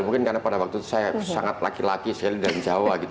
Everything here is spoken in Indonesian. mungkin karena pada waktu itu saya sangat laki laki sekali dari jawa gitu